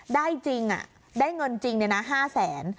ได้จริงอ่ะได้เงินจริงด้วยน่ะห้าแสน